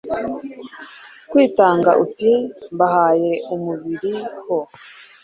kwitanga uti, mbahaye umubiri ho